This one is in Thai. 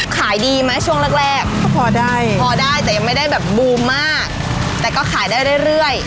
ขายดีมั้ยช่วงแรกพอได้แต่ยังไม่ได้บูมมากแต่ก็ขายได้เรื่อย